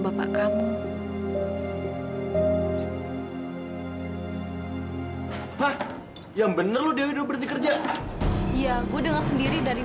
maya bisa pergi sendiri